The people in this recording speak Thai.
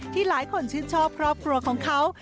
หลายคนชื่นชอบครอบครัวของเขา